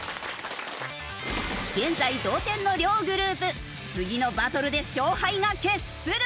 現在同点の両グループ次のバトルで勝敗が決する。